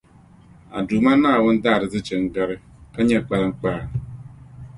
A Duuma Naawuni daa arizichi n gari, ka nyɛ kpaliŋkpaa.